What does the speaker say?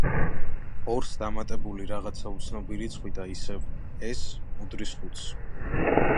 ორს დამატებული რაღაცა უცნობი რიცხვი და ისევ, ეს უდრის ხუთს.